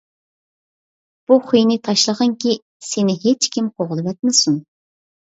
بۇ خۇينى تاشلىغىنكى، سېنى ھېچكىم قوغلىۋەتمىسۇن.